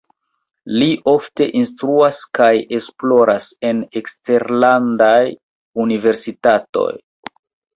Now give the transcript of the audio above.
Li ofte instruas kaj esploras en eksterlandaj universitatoj.